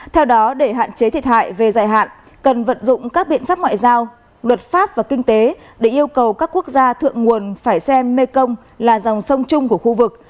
theo đó để hạn chế thiệt hại về dài hạn cần vận dụng các biện pháp ngoại giao luật pháp và kinh tế để yêu cầu các quốc gia thượng nguồn phải xem mekong là dòng sông chung của khu vực